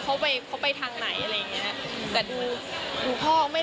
ว่าเขาไปทางไหนอะไรอย่างนี้